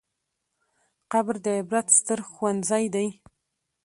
قبر د عبرت ستر ښوونځی دی.